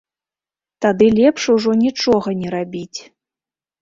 Тады лепш ужо нічога не рабіць.